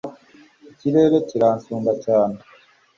ikirere kiransumba cyane